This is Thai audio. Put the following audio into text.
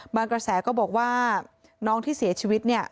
บางกระแสก็บอกว่าน้องที่เสียชีวิต